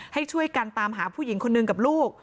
ให้ช่วยกันตามหาผู้หญิงคนนึงกับลูก